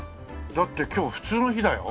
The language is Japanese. だって今日普通の日だよ？